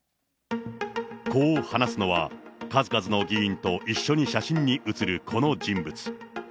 こう話すのは、数々の議員と一緒に写真に写る、この人物。